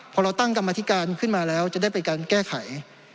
พอเราตั้งกรรมธิการขึ้นมาแล้วจะได้เป็นการแก้ไข